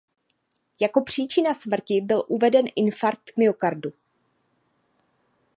Jako příčina smrti byl uveden infarkt myokardu.